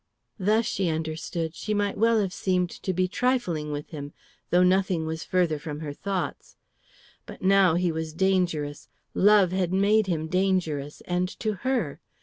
Thus, she understood, she might well have seemed to be trifling with him, though nothing was further from her thoughts. But now he was dangerous; love had made him dangerous, and to her.